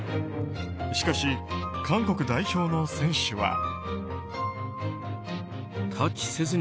しかし、韓国代表の選手は。